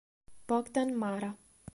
Bogdan Mara